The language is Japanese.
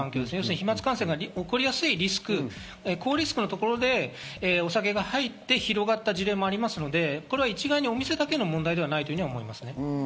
飛沫感染が起こりやすいリスク、高リスクのところでお酒が入って広がった事例もありますので、これは一概にお店だけの問題ではないと考えます。